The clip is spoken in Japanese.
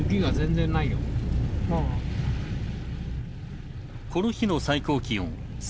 この日の最高気温３．４度。